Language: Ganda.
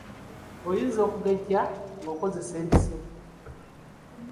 Oyinza okugejja ng’okozesa empiso.